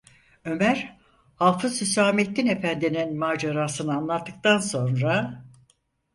Ömer, Hafız Hüsamettin efendinin macerasını anlattıktan sonra: